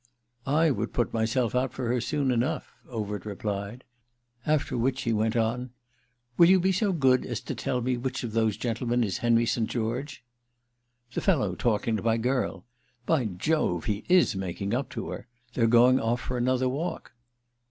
"I would put myself out for her soon enough," Overt replied; after which he went on: "Will you be so good as to tell me which of those gentlemen is Henry St. George?" "The fellow talking to my girl. By Jove, he is making up to her—they're going off for another walk."